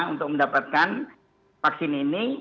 untuk mendapatkan vaksin ini